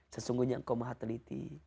sesungguhnya engkau maha teliti